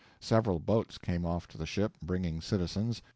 Several boats came off to the ship, bringing citizens.